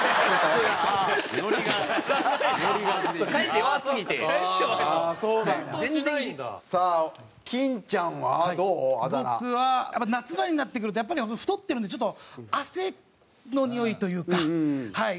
僕は夏場になってくるとやっぱり太ってるのでちょっと汗のにおいというかはい。